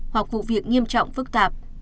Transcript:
hoặc vụ việc nghiêm trọng phức tạp